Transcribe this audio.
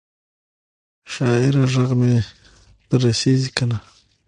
شاعره ږغ مي در رسیږي کنه؟